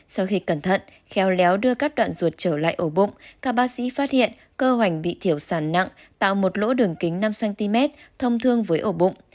sau khi cẩn thận khéo léo đưa các đoạn ruột trở lại ổ bụng các bác sĩ phát hiện cơ hoành bị thiểu sàn nặng tạo một lỗ đường kính năm cm thông thương với ổ bụng